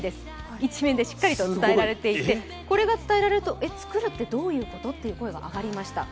一面でしっかりと伝えられていて、これが伝えられると、作るってどういうことって声が上がりました。